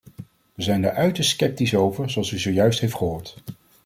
Wij zijn daar uiterst sceptisch over, zoals u zojuist heeft gehoord.